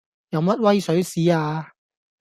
有乜威水史啊